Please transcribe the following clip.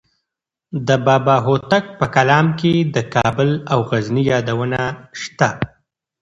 د بابا هوتک په کلام کې د کابل او غزني یادونه شته.